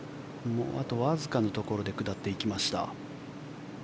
あとわずかのところで下っていきました。